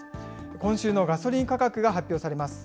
今週のガソリン価格が発表されます。